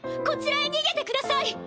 こちらへ逃げてください！